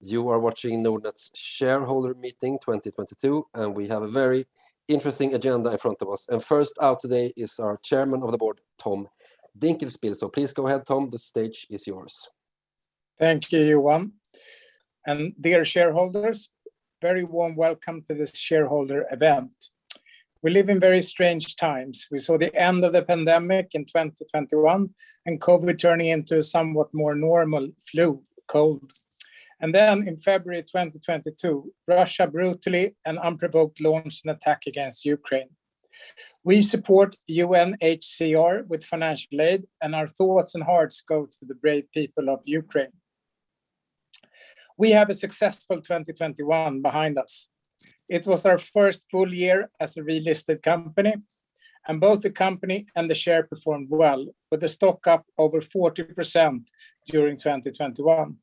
You are watching Nordnet's shareholder meeting 2022, and we have a very interesting agenda in front of us. First out today is our Chairman of the Board, Tom Dinkelspiel. Please go ahead, Tom, the stage is yours. Thank you, Johan. Dear shareholders, very warm welcome to this shareholder event. We live in very strange times. We saw the end of the pandemic in 2021, and COVID turning into a somewhat more normal flu, cold. Then in February 2022, Russia brutally and unprovoked launched an attack against Ukraine. We support UNHCR with financial aid, and our thoughts and hearts go to the brave people of Ukraine. We have a successful 2021 behind us. It was our first full year as a relisted company, and both the company and the share performed well, with the stock up over 40% during 2021.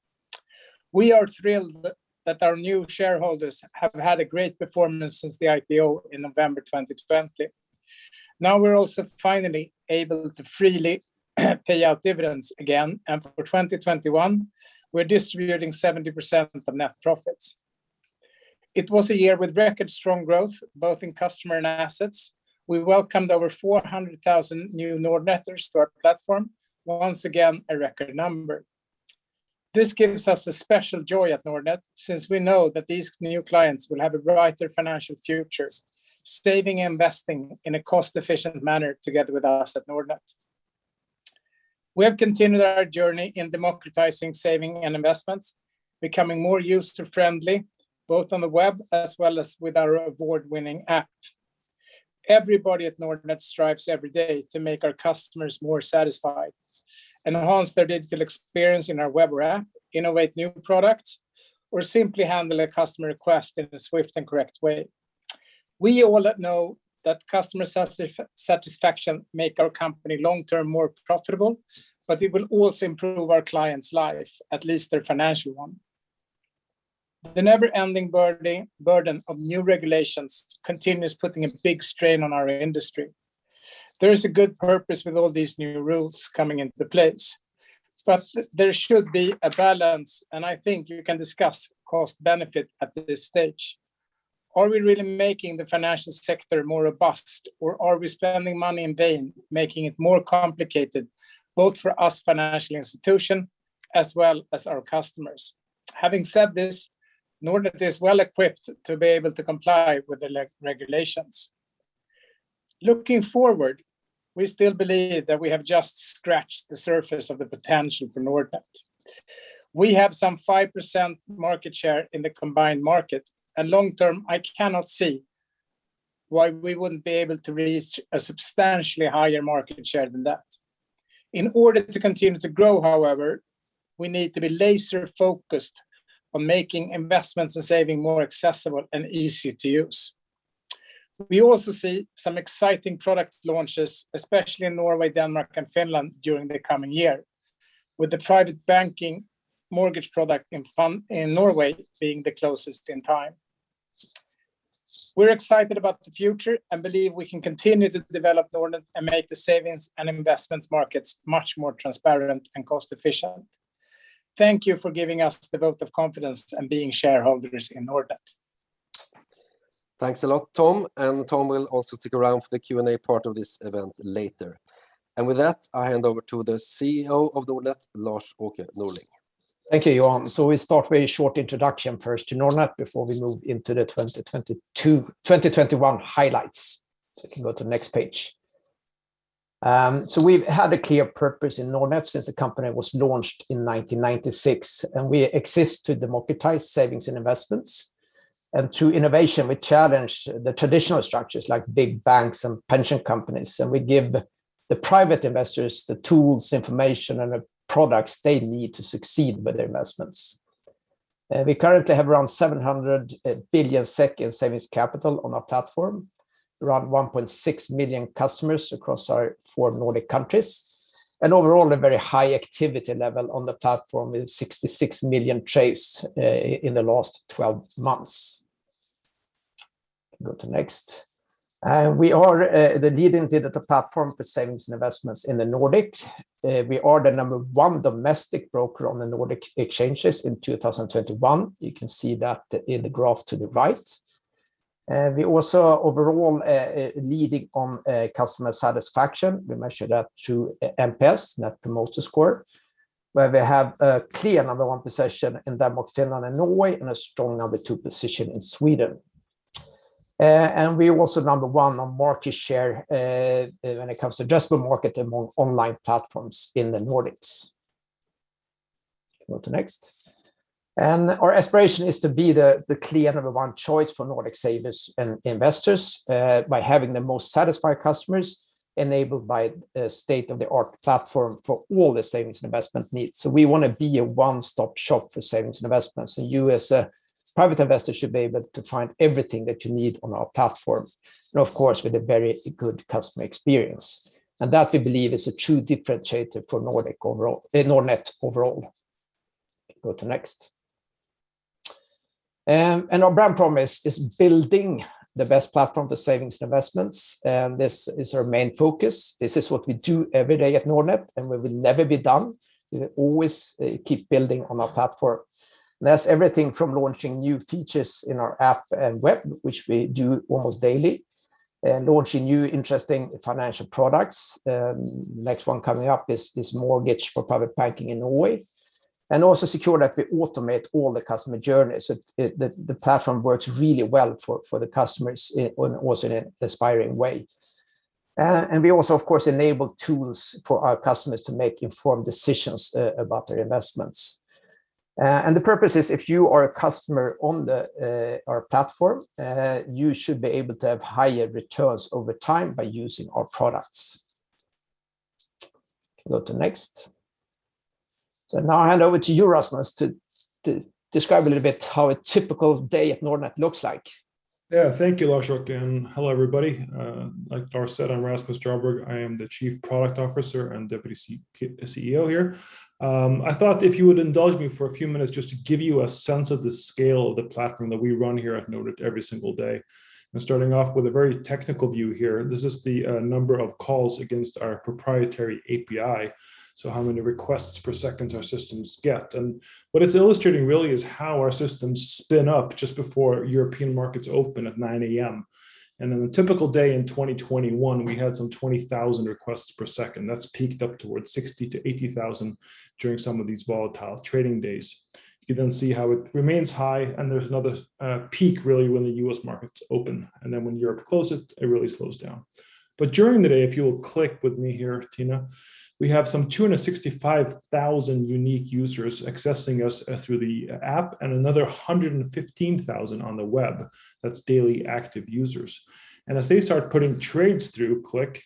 We are thrilled that our new shareholders have had a great performance since the IPO in November 2020. Now we're also finally able to freely pay out dividends again. For 2021, we're distributing 70% of net profits. It was a year with record strong growth, both in customer and assets. We welcomed over 400,000 new Nordnetters to our platform, once again, a record number. This gives us a special joy at Nordnet, since we know that these new clients will have a brighter financial future, saving and investing in a cost-efficient manner together with us at Nordnet. We have continued our journey in democratizing saving and investments, becoming more user-friendly, both on the web as well as with our award-winning app. Everybody at Nordnet strives every day to make our customers more satisfied and enhance their digital experience in our web or app, innovate new products, or simply handle a customer request in a swift and correct way. We all know that customer satisfaction makes our company long-term more profitable, but it will also improve our clients' life, at least their financial one. The never-ending burden of new regulations continues putting a big strain on our industry. There is a good purpose with all these new rules coming into place, but there should be a balance, and I think you can discuss cost benefit at this stage. Are we really making the financial sector more robust, or are we spending money in vain, making it more complicated, both for us financial institution as well as our customers? Having said this, Nordnet is well-equipped to be able to comply with the re-regulations. Looking forward, we still believe that we have just scratched the surface of the potential for Nordnet. We have some 5% market share in the combined market, and long-term, I cannot see why we wouldn't be able to reach a substantially higher market share than that. In order to continue to grow, however, we need to be laser-focused on making investments and saving more accessible and easy to use. We also see some exciting product launches, especially in Norway, Denmark, and Finland during the coming year, with the private banking mortgage product in Norway being the closest in time. We're excited about the future and believe we can continue to develop Nordnet and make the savings and investment markets much more transparent and cost-efficient. Thank you for giving us the vote of confidence and being shareholders in Nordnet. Thanks a lot, Tom. Tom will also stick around for the Q&A part of this event later. With that, I hand over to the CEO of Nordnet, Lars-Åke Norling. Thank you, Johan. We start very short introduction first to Nordnet before we move into the 2021 highlights. We can go to next page. We've had a clear purpose in Nordnet since the company was launched in 1996, and we exist to democratize savings and investments. Through innovation, we challenge the traditional structures like big banks and pension companies, and we give the private investors the tools, information, and the products they need to succeed with their investments. We currently have around 700 billion in savings capital on our platform, around 1.6 million customers across our four Nordic countries, and overall a very high activity level on the platform with 66 million trades in the last 12 months. Go to next. We are the leading digital platform for savings and investments in the Nordics. We are the number one domestic broker on the Nordic exchanges in 2021. You can see that in the graph to the right. We are also overall leading on customer satisfaction. We measure that through NPS, Net Promoter Score, where we have a clear number one position in Denmark, Finland, and Norway, and a strong number two position in Sweden. We're also number one on market share when it comes to retail market and online platforms in the Nordics. Go to next. Our aspiration is to be the clear number one choice for Nordic savers and investors by having the most satisfied customers enabled by a state-of-the-art platform for all their savings and investment needs. We wanna be a one-stop shop for savings and investments. You as a private investor should be able to find everything that you need on our platform, and of course, with a very good customer experience. That we believe is a true differentiator for Nordnet overall. Go to next. Our brand promise is building the best platform for savings and investments, and this is our main focus. This is what we do every day at Nordnet, and we will never be done. We always keep building on our platform. That's everything from launching new features in our app and web, which we do almost daily, and launching new interesting financial products. Next one coming up is mortgage for private banking in Norway, and also ensure that we automate all the customer journeys. The platform works really well for the customers, also in an inspiring way. We also of course enable tools for our customers to make informed decisions about their investments. The purpose is if you are a customer on our platform, you should be able to have higher returns over time by using our products. Can go to next. Now I hand over to you, Rasmus, to describe a little bit how a typical day at Nordnet looks like. Yeah. Thank you, Lars-Åke, and hello, everybody. Like Lars said, I'm Rasmus Järborg. I am the Chief Product Officer and Deputy CEO here. I thought if you would indulge me for a few minutes just to give you a sense of the scale of the platform that we run here at Nordnet every single day. Starting off with a very technical view here, this is the number of calls against our proprietary API, so how many requests per second our systems get. What it's illustrating really is how our systems spin up just before European markets open at 9 A.M. On a typical day in 2021, we had some 20,000 requests per second. That's peaked up towards 60,000-80,000 during some of these volatile trading days. You can see how it remains high, and there's another peak really when the U.S. markets open. Then when Europe closes, it really slows down. During the day, if you will click with me here, Tina, we have some 265,000 unique users accessing us through the app and another 115,000 on the web. That's daily active users. As they start putting trades through, click,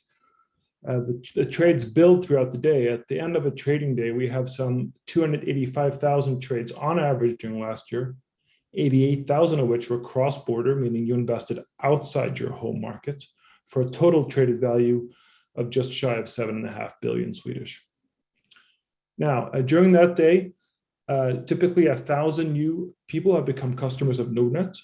the trades build throughout the day. At the end of a trading day, we have some 285,000 trades on average during last year, 88,000 of which were cross-border, meaning you invested outside your home market, for a total traded value of just shy of 7.5 billion. Now, during that day, typically, 1,000 new people have become customers of Nordnet,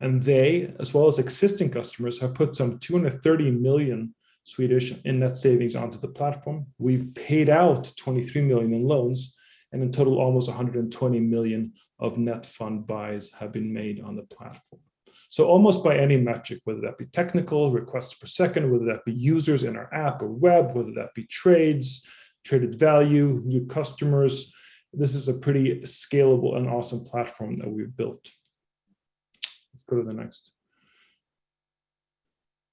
and they as well as existing customers have put some 230 million in net savings onto the platform. We've paid out 23 million in loans, and in total, almost 120 million of net fund buys have been made on the platform. Almost by any metric, whether that be technical, requests per second, whether that be users in our app or web, whether that be trades, traded value, new customers, this is a pretty scalable and awesome platform that we've built. Let's go to the next.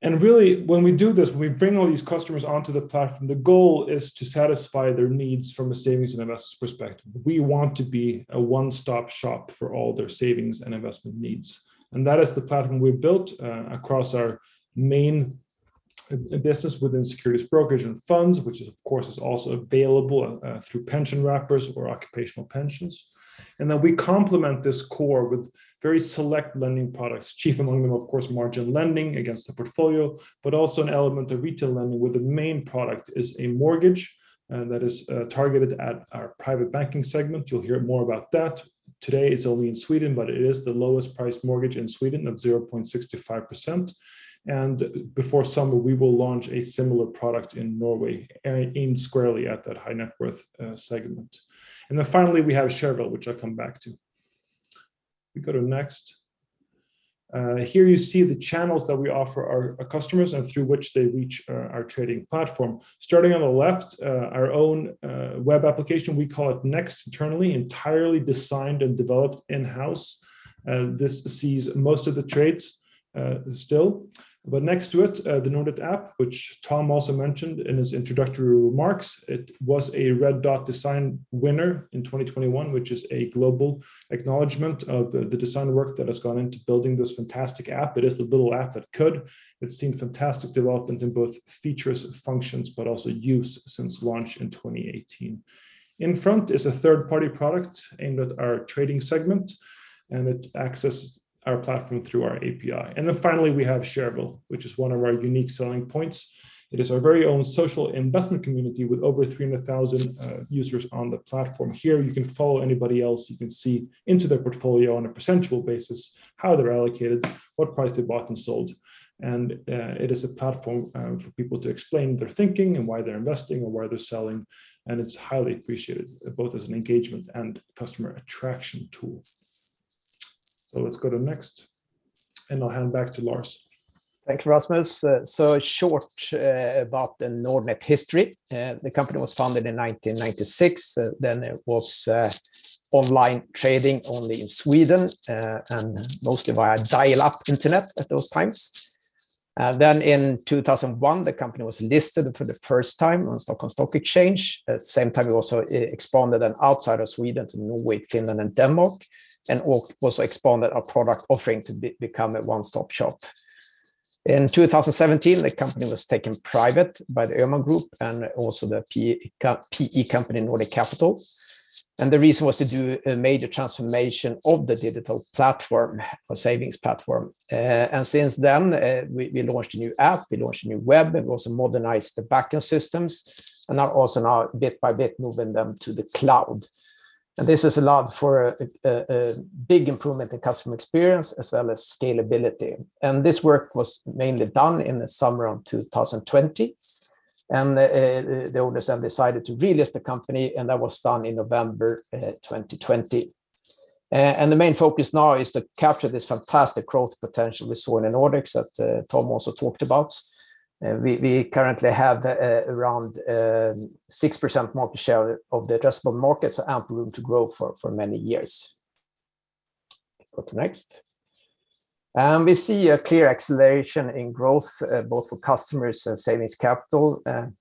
Really, when we do this, when we bring all these customers onto the platform, the goal is to satisfy their needs from a savings and investments perspective. We want to be a one-stop shop for all their savings and investment needs, and that is the platform we've built across our main business within securities brokerage and funds, which of course is also available through pension wrappers or occupational pensions. We complement this core with very select lending products, chief among them, of course, margin lending against the portfolio, but also an element of retail lending where the main product is a mortgage that is targeted at our private banking segment. You'll hear more about that today. It's only in Sweden, but it is the lowest priced mortgage in Sweden at 0.65%. Before summer, we will launch a similar product in Norway aimed squarely at that high net worth segment. Finally, we have Shareville, which I'll come back to. We go to Next. Here you see the channels that we offer our customers and through which they reach our trading platform. Starting on the left, our own web application. We call it Next internally, entirely designed and developed in-house. This sees most of the trades still. Next to it, the Nordnet app, which Tom also mentioned in his introductory remarks. It was a Red Dot design winner in 2021, which is a global acknowledgement of the design work that has gone into building this fantastic app. It is the little app that could. It's seen fantastic development in both features and functions, but also use since launch in 2018. Infront is a third-party product aimed at our trading segment, and it accesses our platform through our API. Finally, we have Shareville, which is one of our unique selling points. It is our very own social investment community with over 300,000 users on the platform. Here, you can follow anybody else. You can see into their portfolio on a percentage basis, how they're allocated, what price they've bought and sold, and it is a platform for people to explain their thinking and why they're investing or why they're selling, and it's highly appreciated both as an engagement and customer attraction tool. Let's go to Next, and I'll hand back to Lars-Åke Norling. Thank you, Rasmus. So, short about the Nordnet history. The company was founded in 1996. It was online trading only in Sweden and mostly via dial-up internet at those times. In 2001, the company was listed for the first time on Stockholm Stock Exchange. At the same time, it also expanded outside of Sweden to Norway, Finland, and Denmark and also expanded our product offering to become a one-stop shop. In 2017, the company was taken private by the Öhman Group and also the PE company, Nordic Capital. The reason was to do a major transformation of the digital platform, our savings platform. Since then, we launched a new app, we launched a new web, and also modernized the backend systems, and are also now bit by bit moving them to the cloud. This has allowed for a big improvement in customer experience as well as scalability. This work was mainly done in the summer of 2020 and the owners then decided to relist the company, and that was done in November 2020. The main focus now is to capture this fantastic growth potential we saw in the Nordics that Tom also talked about. We currently have around 6% market share of the addressable markets, ample room to grow for many years. Go to next. We see a clear acceleration in growth both for customers and savings capital. I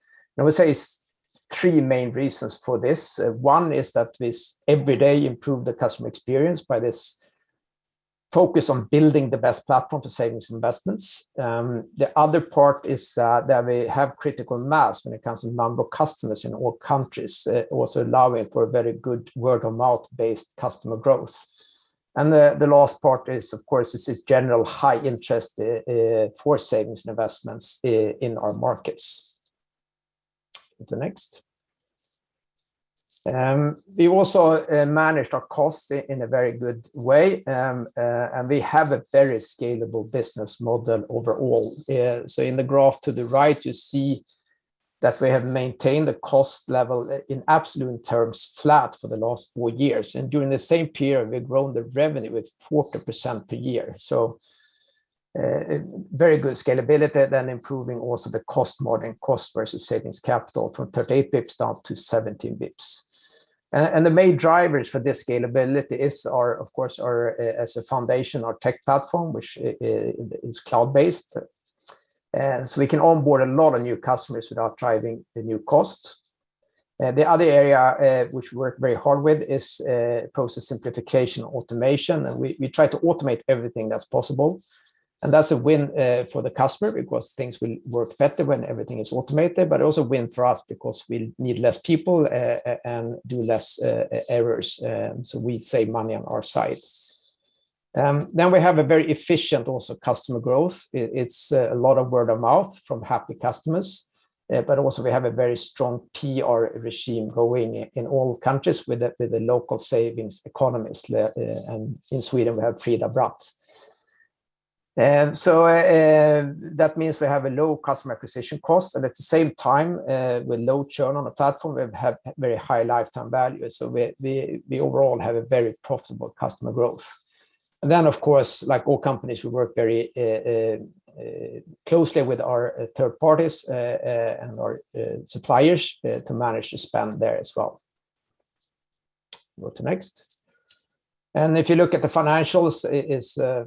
would say it's three main reasons for this. One is that this every day improve the customer experience by this focus on building the best platform for savings investments. The other part is that we have critical mass when it comes to number of customers in all countries, also allowing for a very good word-of-mouth-based customer growth. The last part is, of course, this is general high interest in for savings and investments in our markets. Go to next. We also managed our cost in a very good way, and we have a very scalable business model overall. In the graph to the right, you see that we have maintained the cost level in absolute terms flat for the last four years, and during the same period, we've grown the revenue with 40% per year. A very good scalability, improving the cost model and cost versus savings capital from 38 basis points down to 17 bps. The main drivers for this scalability are, of course, as a foundation, our tech platform, which is cloud-based. We can onboard a lot of new customers without driving the new costs. The other area which we work very hard with is process simplification automation, and we try to automate everything that's possible, and that's a win for the customer because things will work better when everything is automated, but also a win for us because we need less people and do less errors, so we save money on our side. We have also a very efficient customer growth. It's a lot of word of mouth from happy customers, but also we have a very strong PR regime going in all countries with the local savings economists, and in Sweden, we have Frida Bratt. That means we have a low customer acquisition cost, and at the same time, with low churn on the platform, we have very high lifetime value. We overall have a very profitable customer growth. Then, of course, like all companies, we work very closely with our third parties and our suppliers to manage the spend there as well. Go to next. If you look at the financials, it is a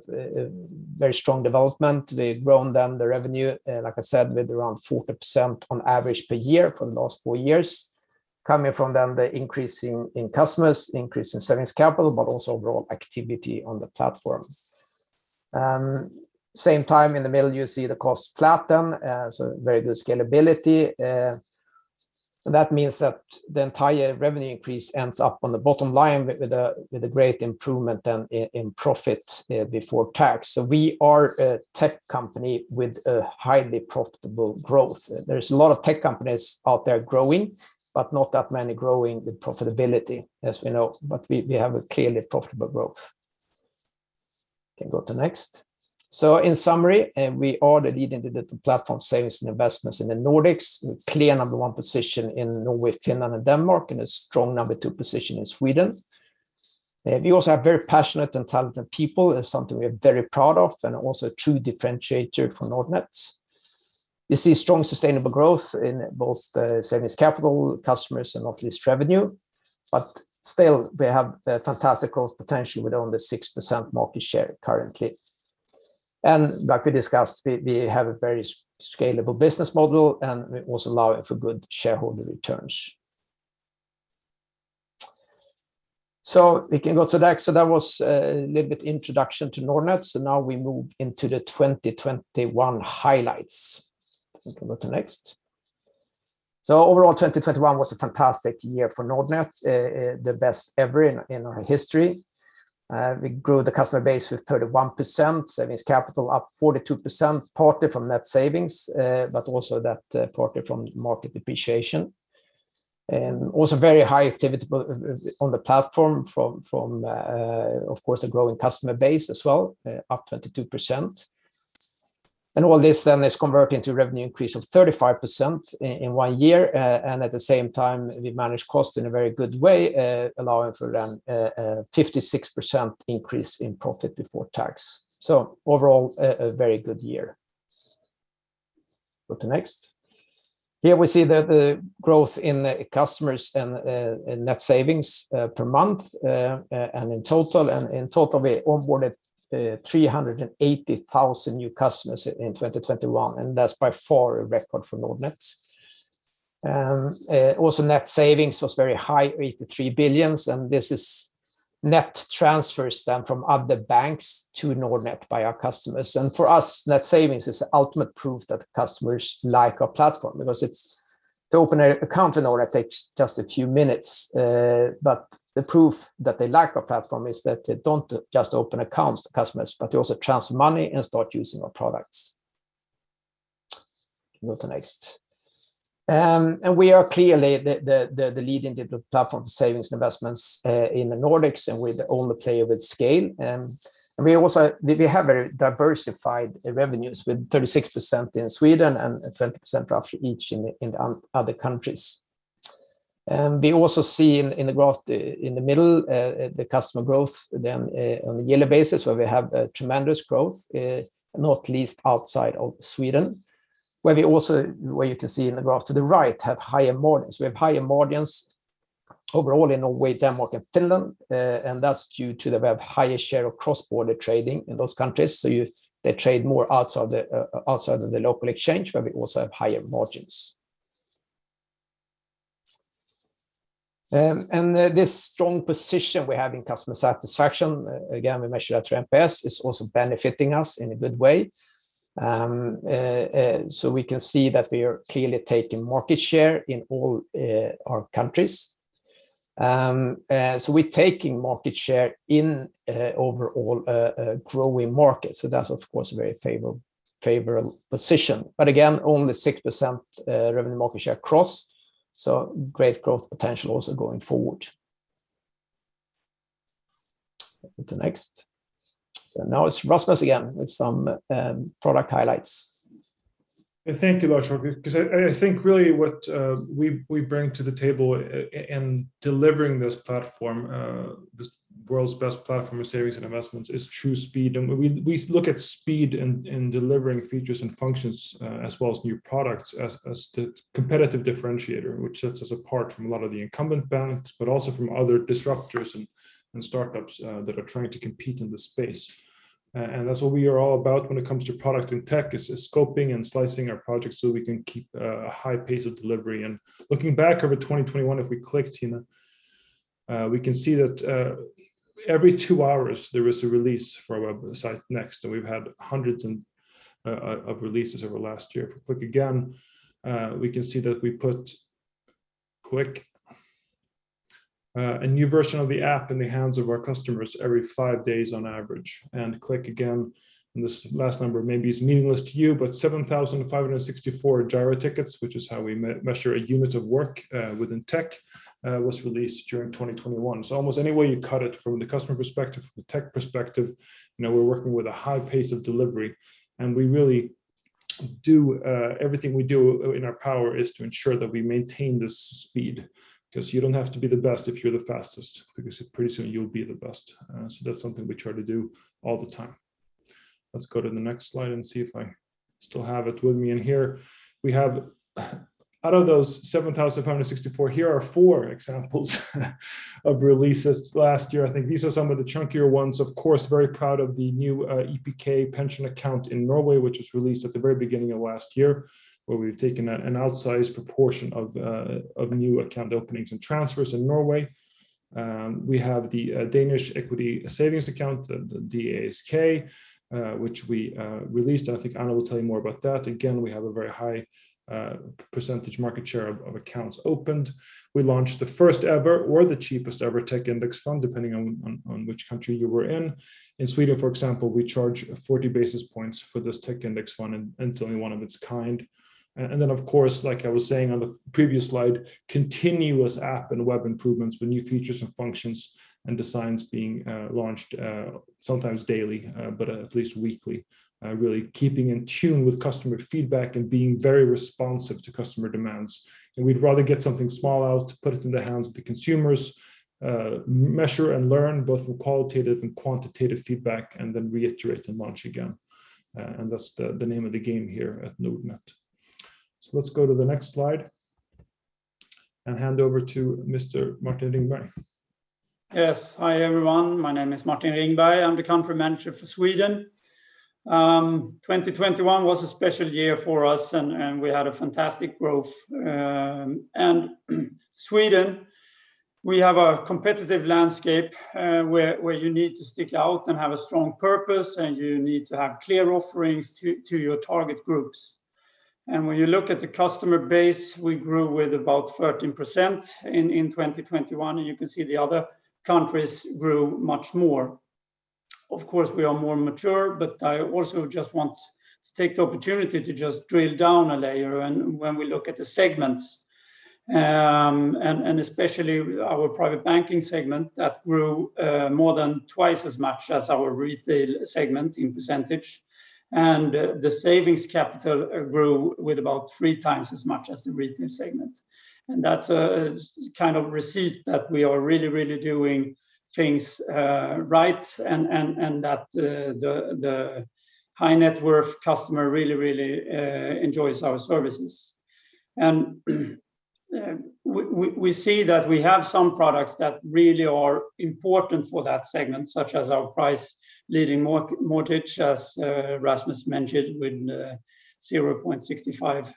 very strong development. We've grown our revenue, like I said, with around 40% on average per year for the last four years, coming from the increase in customers, increase in savings capital, but also overall activity on the platform. At the same time in the middle, you see the cost flatten, so very good scalability. That means that the entire revenue increase ends up on the bottom line with the great improvement in profit before tax. We are a tech company with a highly profitable growth. There's a lot of tech companies out there growing, but not that many growing with profitability as we know, but we have a clearly profitable growth. Can go to next. In summary, we are the leading digital platform savings and investments in the Nordics with clear number one position in Norway, Finland, and Denmark, and a strong number two position in Sweden. We also have very passionate and talented people. It's something we are very proud of and also a true differentiator for Nordnet. You see strong sustainable growth in both the savings capital, customers, and not least revenue. Still, we have a fantastic growth potential with only 6% market share currently. Like we discussed, we have a very scalable business model, and we're also allowing for good shareholder returns. We can go to the next. That was a little bit introduction to Nordnet. Now we move into the 2021 highlights. We can go to next. Overall, 2021 was a fantastic year for Nordnet, the best ever in our history. We grew the customer base with 31%, savings capital up 42%, partly from net savings, but also partly from market depreciation. Also very high activity on the platform from, of course, a growing customer base as well, up 22%. All this then is converting to revenue increase of 35% in one year. At the same time, we managed cost in a very good way, allowing for then a 56% increase in profit before tax. Overall a very good year. Go to next. Here we see the growth in the customers and in net savings per month and in total. In total, we onboarded 380,000 new customers in 2021, and that's by far a record for Nordnet. Also net savings was very high, 83 billion, and this is net transfers then from other banks to Nordnet by our customers. For us, net savings is the ultimate proof that customers like our platform because it's. To open a account in Nordnet takes just a few minutes, but the proof that they like our platform is that they don't just open accounts to customers, but they also transfer money and start using our products. Go to next. We are clearly the leading digital platform for savings and investments in the Nordics, and we're the only player with scale. We have very diversified revenues with 36% in Sweden and 30% roughly each in other countries. We see in the graph in the middle the customer growth on a yearly basis, where we have tremendous growth not least outside of Sweden, where you can see in the graph to the right, have higher margins. We have higher margins overall in Norway, Denmark, and Finland. That's due to that we have higher share of cross-border trading in those countries. They trade more outside the local exchange, where we also have higher margins. This strong position we have in customer satisfaction, again, we measure that through NPS, is also benefiting us in a good way. We can see that we are clearly taking market share in all our countries. We're taking market share in an overall growing market. That's, of course, a very favorable position. Again, only 6% revenue market share across, so great growth potential also going forward. Go to next. Now it's Rasmus again with some product highlights. Thank you, Lars. Okay, 'cause I think really what we bring to the table in delivering this platform, this world's best platform for savings and investments, is true speed. We look at speed in delivering features and functions, as well as new products as the competitive differentiator, which sets us apart from a lot of the incumbent banks, but also from other disruptors and startups that are trying to compete in this space. That's what we are all about when it comes to product and tech is scoping and slicing our projects so we can keep a high pace of delivery. Looking back over 2021, if we click, Tina, we can see that every two hours there was a release from our site Next. We've had hundreds of releases over last year. If we click again, we can see that we put click. A new version of the app in the hands of our customers every five days on average. Click again. This last number maybe is meaningless to you, but 7,564 Jira tickets, which is how we measure a unit of work within tech, was released during 2021. Almost any way you cut it, from the customer perspective, from the tech perspective, you know, we're working with a high pace of delivery, and we really do everything we do in our power is to ensure that we maintain this speed, 'cause you don't have to be the best if you're the fastest, because pretty soon you'll be the best. That's something we try to do all the time. Let's go to the next slide and see if I still have it with me in here. We have. Out of those 7,564, here are four examples of releases last year. I think these are some of the chunkier ones. Of course, very proud of the new EPK pension account in Norway, which was released at the very beginning of last year, where we've taken an outsized proportion of new account openings and transfers in Norway. We have the Danish equity savings account, the ASK, which we released. I think Anne will tell you more about that. Again, we have a very high percentage market share of accounts opened. We launched the first ever or the cheapest ever tech index fund, depending on which country you were in. In Sweden, for example, we charge 40 basis points for this tech index fund, and it's only one of its kind. Of course, like I was saying on the previous slide, continuous app and web improvements with new features and functions and designs being launched, sometimes daily, but at least weekly, really keeping in tune with customer feedback and being very responsive to customer demands. We'd rather get something small out, put it in the hands of the consumers, measure and learn, both from qualitative and quantitative feedback, and then reiterate and launch again. That's the name of the game here at Nordnet. Let's go to the next slide and hand over to Mr. Martin Ringberg. Yes. Hi, everyone. My name is Martin Ringberg. I'm the Country Manager for Sweden. 2021 was a special year for us, and we had a fantastic growth. Sweden, we have a competitive landscape, where you need to stick out and have a strong purpose, and you need to have clear offerings to your target groups. When you look at the customer base, we grew with about 13% in 2021, and you can see the other countries grew much more. Of course, we are more mature, but I also just want to take the opportunity to just drill down a layer. When we look at the segments, and especially our private banking segment, that grew more than twice as much as our retail segment in percentage. The savings capital grew with about three times as much as the retail segment. That's a kind of receipt that we are really doing things right and that the high-net-worth customer really enjoys our services. We see that we have some products that really are important for that segment, such as our price-leading mortgage, as Rasmus mentioned, with 0.65%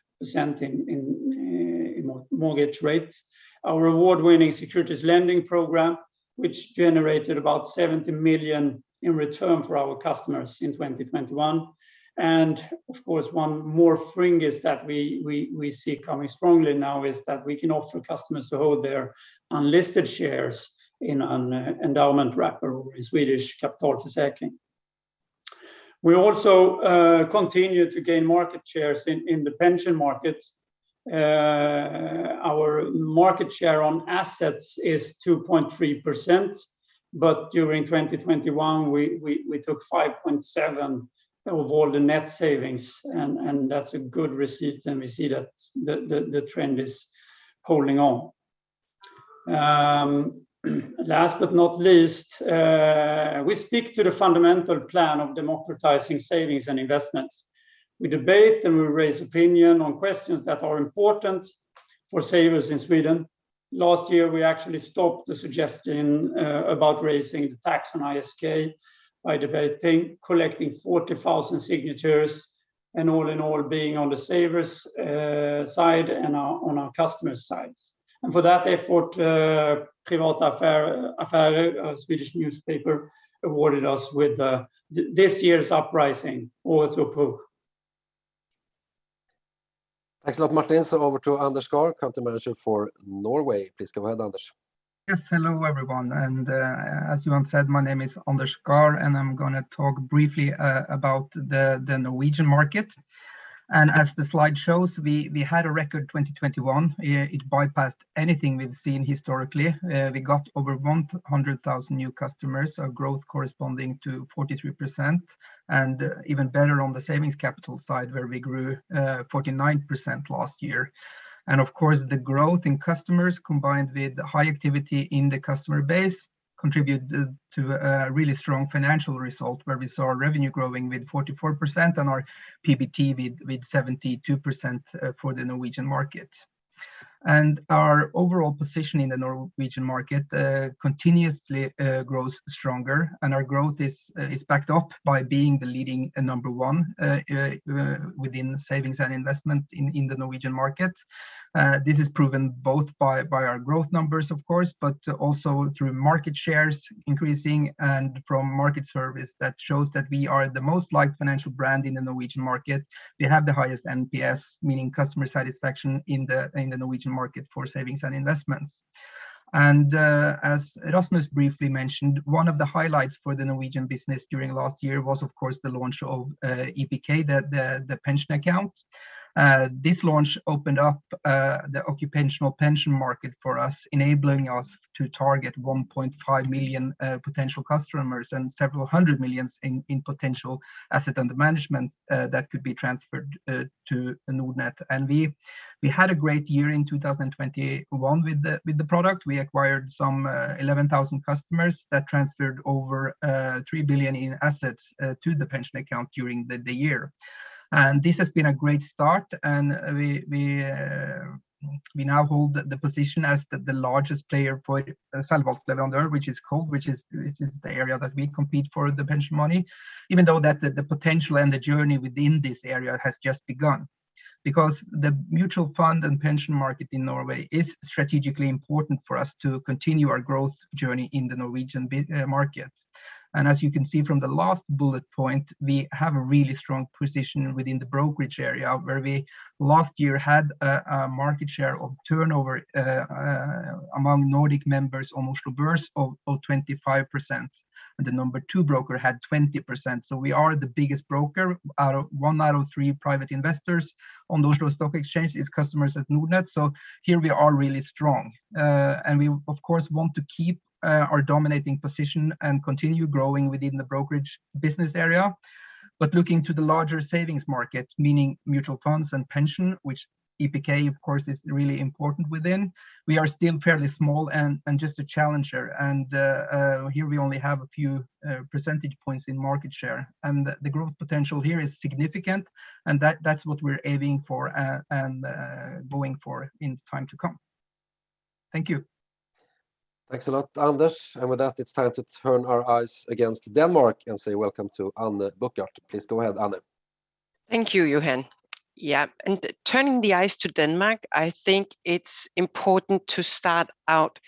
in mortgage rates. Our award-winning securities lending program, which generated about 70 million in return for our customers in 2021. Of course, one more thing is that we see coming strongly now is that we can offer customers to hold their unlisted shares in an endowment wrapper or in Swedish, kapitalförsäkring. We also continue to gain market shares in the pension markets. Our market share on assets is 2.3%, but during 2021 we took 5.7% of all the net savings and that's a good receipt and we see that the trend is holding on. Last but not least, we stick to the fundamental plan of democratizing savings and investments. We debate and we raise opinion on questions that are important for savers in Sweden. Last year, we actually stopped the suggestion about raising the tax on ISK by debating collecting 40,000 signatures and all in all being on the savers' side and on our customers' sides. For that effort, Privata Affärer, a Swedish newspaper, awarded us with this year's Uprising, Årets Uppror. Thanks a lot, Martin. Over to Anders Skar, Country Manager for Norway. Please go ahead, Anders. Yes, hello everyone and, as Johan said, my name is Anders Skar, and I'm gonna talk briefly about the Norwegian market. As the slide shows, we had a record 2021. It bypassed anything we've seen historically. We got over 100,000 new customers, a growth corresponding to 43% and even better on the savings capital side where we grew 49% last year. Of course, the growth in customers combined with high activity in the customer base contributed to a really strong financial result where we saw our revenue growing with 44% and our PBT with 72% for the Norwegian market. Our overall position in the Norwegian market continuously grows stronger and our growth is backed up by being the leading and number one within savings and investment in the Norwegian market. This is proven both by our growth numbers of course, but also through market shares increasing and from market service that shows that we are the most liked financial brand in the Norwegian market. We have the highest NPS, meaning customer satisfaction in the Norwegian market for savings and investments. As Rasmus briefly mentioned, one of the highlights for the Norwegian business during last year was of course the launch of EPK, the pension account. This launch opened up the occupational pension market for us, enabling us to target 1.5 million potential customers and several 100 million in potential assets under management that could be transferred to Nordnet. We had a great year in 2021 with the product. We acquired some 11,000 customers that transferred over 3 billion in assets to the pension account during the year. This has been a great start and we now hold the position as the largest player for salg av pensjon, which is the area that we compete for the pension money, even though the potential and the journey within this area has just begun. Because the mutual fund and pension market in Norway is strategically important for us to continue our growth journey in the Norwegian market. As you can see from the last bullet point, we have a really strong position within the brokerage area where we last year had a market share of turnover among Nordic members almost 25% and the number two broker had 20%, so we are the biggest broker. One out of three private investors on Oslo Stock Exchange is customers at Nordnet, so here we are really strong. We of course want to keep our dominating position and continue growing within the brokerage business area. Looking to the larger savings market, meaning mutual funds and pension, which EPK of course is really important within, we are still fairly small and just a challenger and here we only have a few percentage points in market share. The growth potential here is significant and that's what we're aiming for and going for in time to come. Thank you. Thanks a lot, Anders, and with that it's time to turn our eyes towards Denmark and say welcome to Anne Buchardt. Please go ahead, Anne. Thank you, Johan. Yeah, turning our eyes to Denmark, I think it's important to start out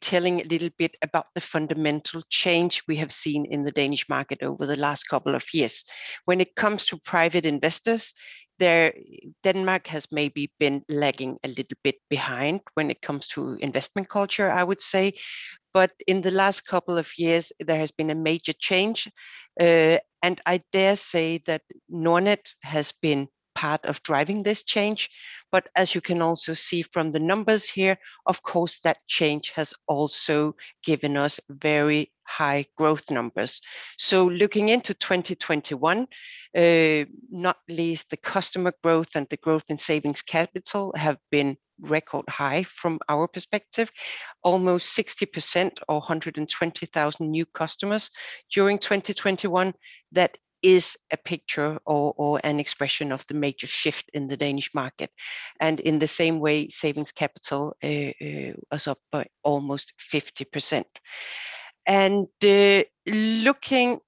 telling a little bit about the fundamental change we have seen in the Danish market over the last couple of years. When it comes to private investors, Denmark has maybe been lagging a little bit behind when it comes to investment culture, I would say. In the last couple of years, there has been a major change, and I dare say that Nordnet has been part of driving this change. As you can also see from the numbers here, of course that change has also given us very high growth numbers. Looking into 2021, not least the customer growth and the growth in savings capital have been record high from our perspective. Almost 60% or 120,000 new customers during 2021, that is a picture or an expression of the major shift in the Danish market. In the same way, savings capital is up by almost 50%. Looking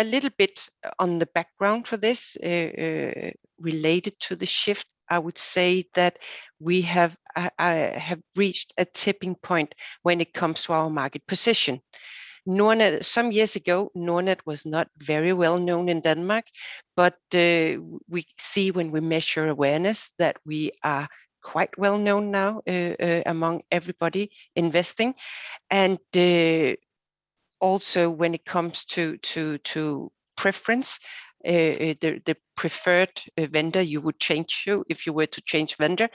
a little bit on the background for this, related to the shift, I would say that we have reached a tipping point when it comes to our market position. Nordnet. Some years ago, Nordnet was not very well known in Denmark, but we see when we measure awareness that we are quite well known now among everybody investing. Also, when it comes to preference, the preferred vendor you would change if you were to change vendor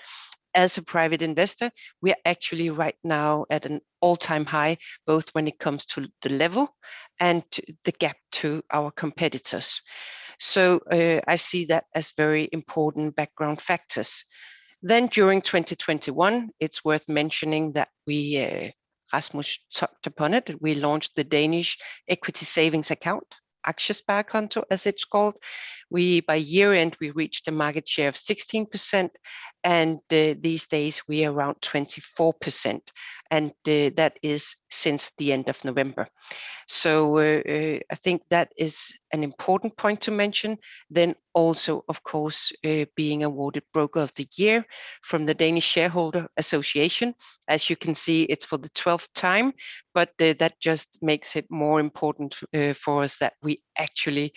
as a private investor, we are actually right now at an all-time high, both when it comes to the level and the gap to our competitors. I see that as very important background factors. During 2021, it's worth mentioning that we, as much touched upon it, we launched the Danish equity savings account, Aktiesparekonto, as it's called. By year-end, we reached a market share of 16%, and these days we are around 24%, and that is since the end of November. I think that is an important point to mention. Also, of course, being awarded Broker of the Year from the Danish Shareholder Association. As you can see, it's for the twelfth time, but that just makes it more important for us that we actually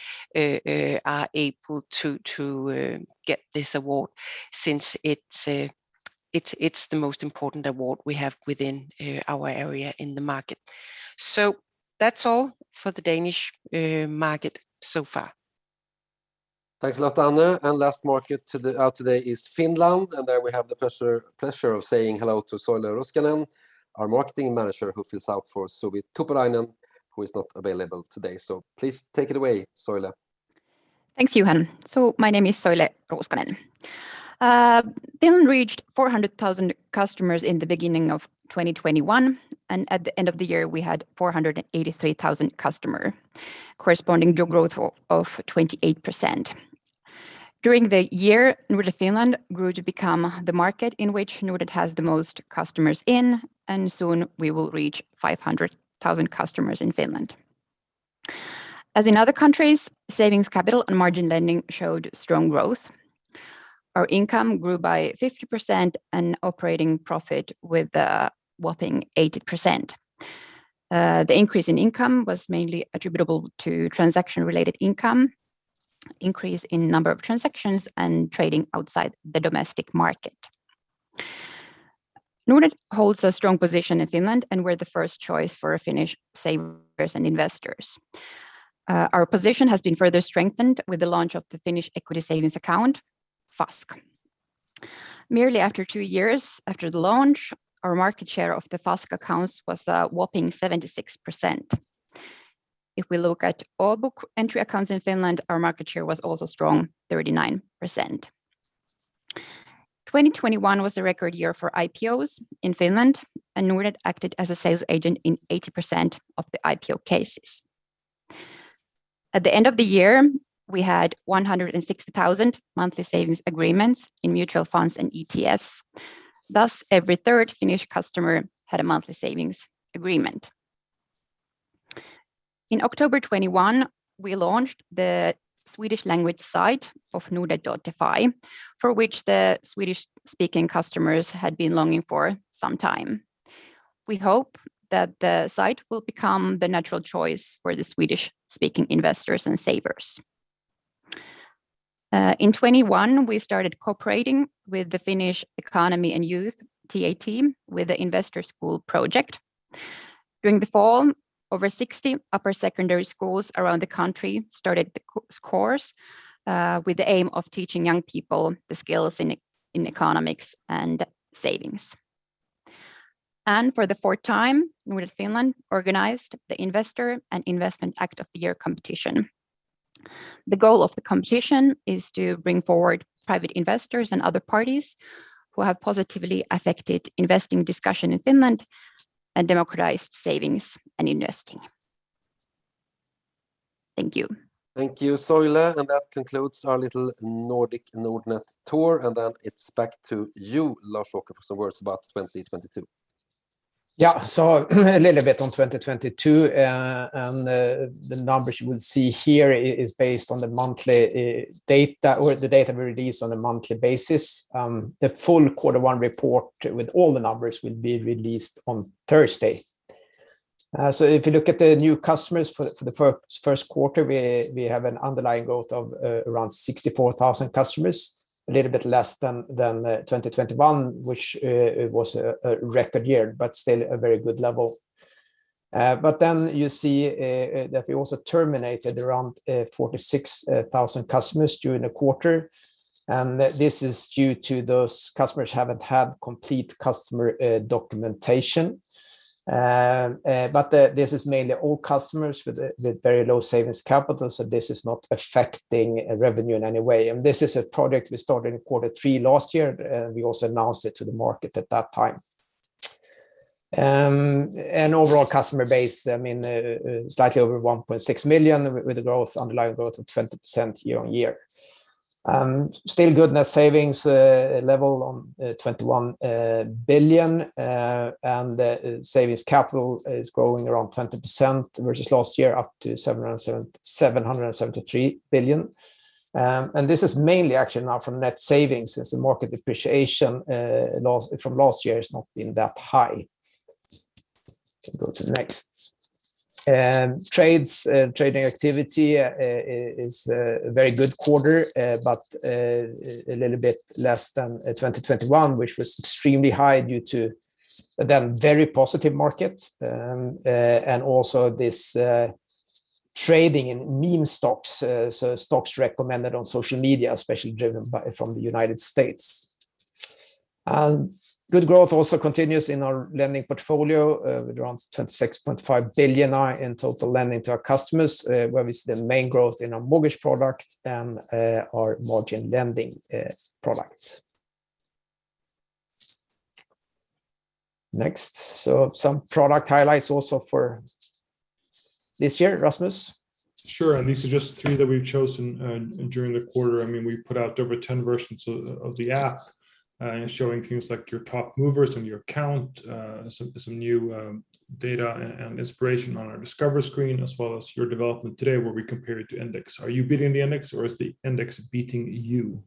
are able to get this award since it's the most important award we have within our area in the market. That's all for the Danish market so far. Thanks a lot, Anne. Last market today is Finland. There we have the pleasure of saying hello to Soile Ruuskanen, our marketing manager, who fills out for Suvi Tuppurainen, who is not available today. Please take it away, Soile. Thanks, Johan. My name is Soile Ruuskanen. Finland reached 400,000 customers in the beginning of 2021, and at the end of the year, we had 483,000 customers, corresponding to growth of 28%. During the year, Nordnet Finland grew to become the market in which Nordnet has the most customers in, and soon we will reach 500,000 customers in Finland. As in other countries, savings capital and margin lending showed strong growth. Our income grew by 50% and operating profit with a whopping 80%. The increase in income was mainly attributable to transaction-related income, increase in number of transactions, and trading outside the domestic market. Nordnet holds a strong position in Finland, and we're the first choice for Finnish savers and investors. Our position has been further strengthened with the launch of the Finnish equity savings account, OST. Merely after two years after the launch, our market share of the OST accounts was a whopping 76%. If we look at all book-entry accounts in Finland, our market share was also strong, 39%. 2021 was a record year for IPOs in Finland, and Nordnet acted as a sales agent in 80% of the IPO cases. At the end of the year, we had 160,000 monthly savings agreements in mutual funds and ETFs. Thus, every third Finnish customer had a monthly savings agreement. In October 2021, we launched the Swedish language site of nordnet.fi, for which the Swedish-speaking customers had been longing for some time. We hope that the site will become the natural choice for the Swedish-speaking investors and savers. In 2021, we started cooperating with the Talous ja nuoret TAT with the Investor School project. During the fall, over 60 upper secondary schools around the country started the course with the aim of teaching young people the skills in economics and savings. For the fourth time, Nordnet Finland organized the Investor and Investment Award of the Year competition. The goal of the competition is to bring forward private investors and other parties who have positively affected investing discussion in Finland and democratized savings and investing. Thank you. Thank you, Soile. That concludes our little Nordic Nordnet tour. Then it's back to you, Lars-Åke, for some words about 2022. Yeah. A little bit on 2022, and the numbers you will see here is based on the monthly data or the data we release on a monthly basis. The full quarter one report with all the numbers will be released on Thursday. If you look at the new customers for the first quarter, we have an underlying growth of around 64,000 customers, a little bit less than 2021, which it was a record year, but still a very good level. You see that we also terminated around 46,000 customers during the quarter. This is due to those customers haven't had complete customer documentation. This is mainly all customers with very low savings capital, so this is not affecting revenue in any way. This is a product we started in quarter three last year, and we also announced it to the market at that time. Overall customer base, I mean, slightly over 1.6 million with the growth, underlying growth of 20% year-on-year. Still good net savings level on 21 billion, and the savings capital is growing around 20% versus last year up to 773 billion. This is mainly actually now from net savings as the market depreciation from last year has not been that high. Can go to the next. Trades, trading activity is a very good quarter, but a little bit less than 2021, which was extremely high due to that very positive market. Also, this trading in meme stocks, so stocks recommended on social media, especially driven by from the United States. Good growth also continues in our lending portfolio with around 26.5 billion in total lending to our customers, where we see the main growth in our mortgage product and our margin lending products. Next, some product highlights also for this year, Rasmus. Sure, these are just three that we've chosen during the quarter. I mean, we put out over 10 versions of the app showing things like your top movers in your account, some new data and inspiration on our discover screen, as well as your development today, where we compare it to index. Are you beating the index or is the index beating you?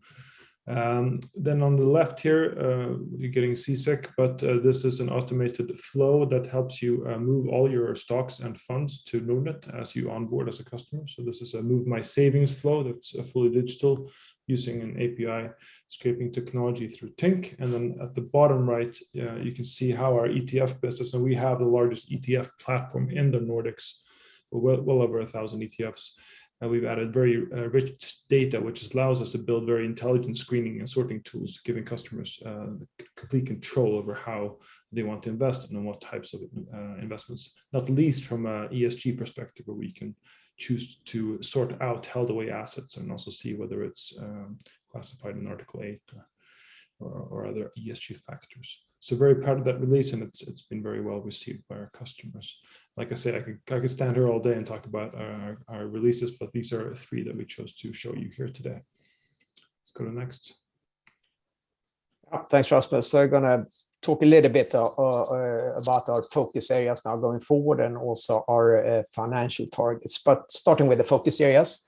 On the left here, you're getting seasick, but this is an automated flow that helps you move all your stocks and funds to Nordnet as you onboard as a customer. This is a Move My Savings flow that's fully digital using an API scraping technology through Tink. At the bottom right, you can see how our ETF business. We have the largest ETF platform in the Nordics, well over 1,000 ETFs. We've added very rich data, which allows us to build very intelligent screening and sorting tools, giving customers complete control over how they want to invest and what types of investments. Not least from a ESG perspective, where we can choose to sort out held away assets and also see whether it's classified in Article 8 or other ESG factors. Very proud of that release, and it's been very well received by our customers. Like I said, I could stand here all day and talk about our releases, but these are three that we chose to show you here today. Let's go to Next. Yeah, thanks, Rasmus. I'm gonna talk a little bit about our focus areas now going forward and also our financial targets. Starting with the focus areas,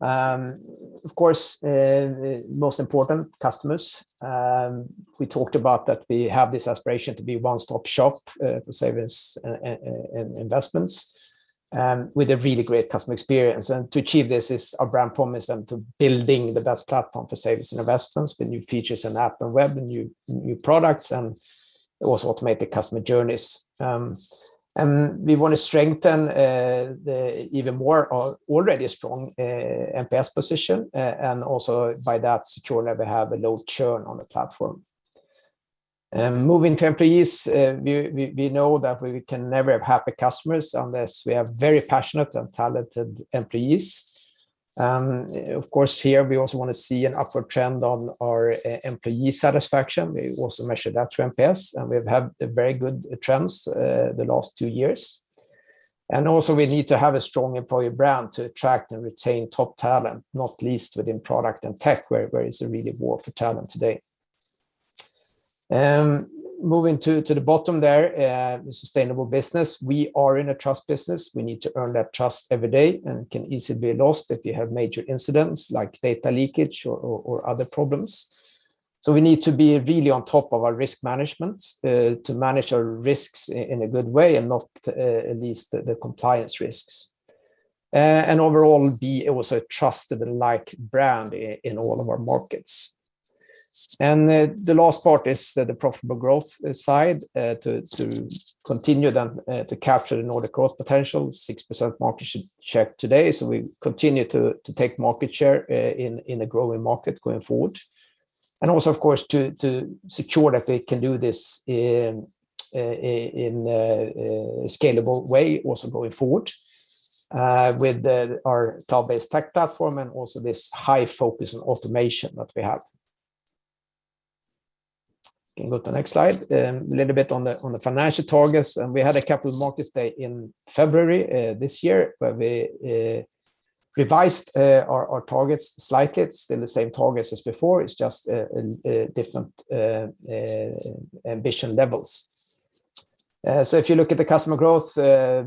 of course, the most important, customers. We talked about that we have this aspiration to be one-stop shop for savings and investments with a really great customer experience. To achieve this is our brand promise and to building the best platform for savings and investments with new features and app and web and new products and also automated customer journeys. We wanna strengthen the even more already strong NPS position and also by that secure that we have a low churn on the platform. Moving to employees, we know that we can never have happy customers unless we have very passionate and talented employees. Of course here, we also wanna see an upward trend on our employee satisfaction. We also measure that through NPS, and we've had very good trends the last two years. We need to have a strong employer brand to attract and retain top talent, not least within product and tech, where it's a really war for talent today. Moving to the bottom there, sustainable business. We are in a trust business. We need to earn that trust every day, and it can easily be lost if you have major incidents like data leakage or other problems. We need to be really on top of our risk management to manage our risks in a good way and not at least the compliance risks. Overall be also a trusted and liked brand in all of our markets. The last part is the profitable growth side to continue then to capture the Nordics growth potential, 6% market share today. We continue to take market share in a growing market going forward. Also of course to secure that we can do this in a scalable way also going forward with our cloud-based tech platform and also this high focus on automation that we have. You can go to the next slide. A little bit on the financial targets and we had a capital markets day in February this year where we revised our targets slightly. It's still the same targets as before. It's just in different ambition levels. If you look at the customer growth, our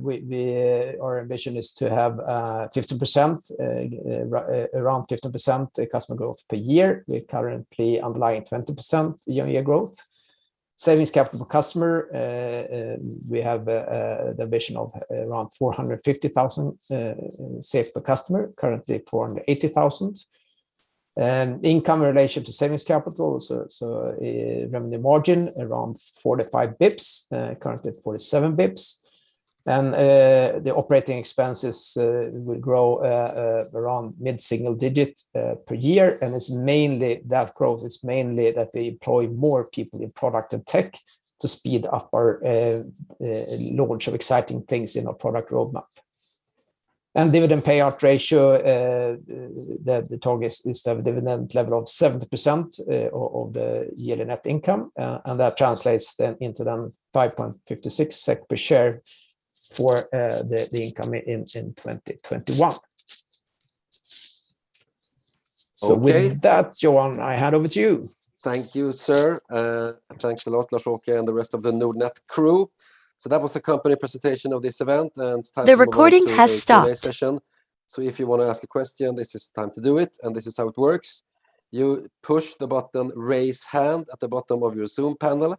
ambition is to have around 15% customer growth per year. We're currently underlying 20% year-on-year growth. Savings capital per customer, we have an ambition of around 450,000 saved per customer, currently 480,000. Income in relation to savings capital, revenue margin around 45 bps, currently at 47 bps. The operating expenses will grow around mid-single-digit per year. It's mainly that growth, it's mainly that we employ more people in product and tech to speed up our launch of exciting things in our product roadmap. Dividend payout ratio, the target is to have a dividend level of 70% of the yearly net income. That translates into 5.56 SEK per share for the income in 2021. Okay. With that, Johan, I hand over to you. Thank you, sir. Thanks a lot, Lars-Åke, and the rest of the Nordnet crew. That was the company presentation of this event, and it's time to move on to the Q&A session. The recording has stopped. If you wanna ask a question, this is the time to do it, and this is how it works. You push the button Raise Hand at the bottom of your Zoom panel,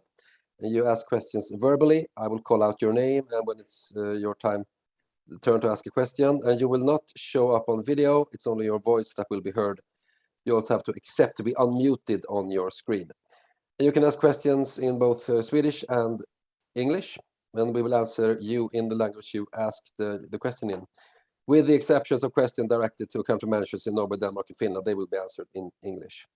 and you ask questions verbally. I will call out your name and when it's your turn to ask a question, and you will not show up on video. It's only your voice that will be heard. You also have to accept to be unmuted on your screen. You can ask questions in both Swedish and English, and we will answer you in the language you asked the question in, with the exceptions of question directed to country managers in Norway, Denmark and Finland, they will be answered in English.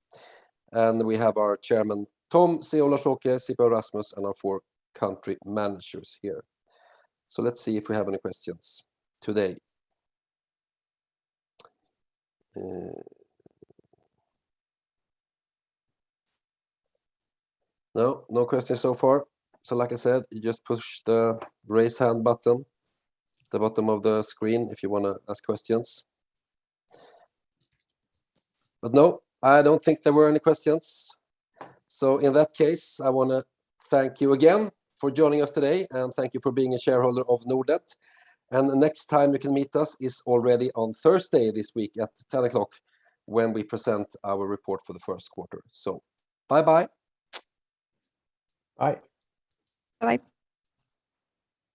We have our Chairman Tom, CEO Lars-Åke Norling, CFO Rasmus Järborg, and our four country managers here. Let's see if we have any questions today. No, no questions so far. Like I said, you just push the Raise Hand button at the bottom of the screen if you wanna ask questions. No, I don't think there were any questions. In that case, I wanna thank you again for joining us today, and thank you for being a shareholder of Nordnet. The next time you can meet us is already on Thursday this week at 10:00 when we present our report for the first quarter. Bye-bye. Bye. Bye.